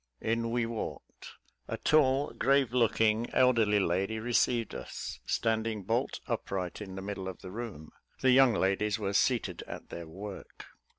In we walked; a tall, grave looking, elderly lady received us, standing bolt upright in the middle of the room; the young ladies were seated at their work.